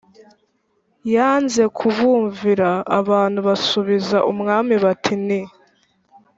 yanze kubumvira abantu basubiza umwami bati Ni